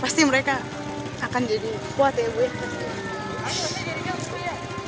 pasti mereka akan jadi kuat ya bu ya